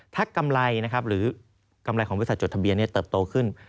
ถ้ากำไรนะครับหรือกำไรของบริษัทจดทะเบียนเติบโตขึ้น